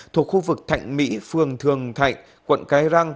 thuộc khu vực thạnh mỹ phường thường thạnh